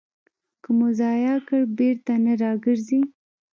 که مو ضایع کړ، بېرته نه راګرځي.